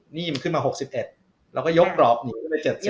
หนี้มันขึ้นมา๖๑แล้วก็ยกกรอบอยู่ที่๗๐